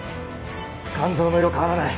肝臓の色変わらない。